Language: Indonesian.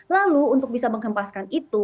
lalu untuk bisa menghempaskan itu